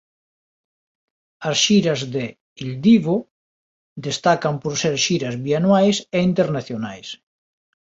As Xiras de "Il Divo" destacan por ser xiras bianuais e internacionais.